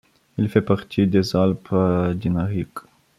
Il fait partie des Alpes dinariques.